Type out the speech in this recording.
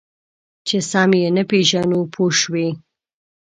چې سم یې نه پېژنو پوه شوې!.